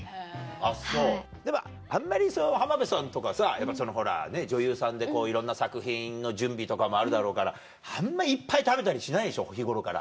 あっそうでもあんまり浜辺さんとかさやっぱそのほら女優さんでいろんな作品の準備とかもあるだろうからあんまいっぱい食べたりしないでしょ日頃から。